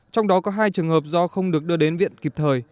trong đó có hai trường hợp do không được đưa đến viện kịp thời